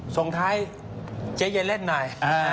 ส่งท้ายเจ๊เย็นเล่นหน่อย